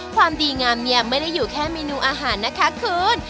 ความดีงามเนี่ยไม่ได้อยู่แค่เมนูอาหารนะคะคุณ